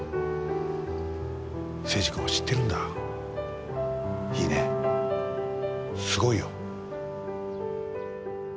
征二君は知ってるんだいいね、すごいよ。